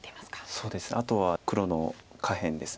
そうですあとは黒の下辺です。